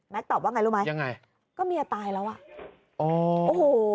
แม็กซ์ตอบว่าอย่างไรรู้ไหมก็เมียตายแล้วอ่ะโอ้โห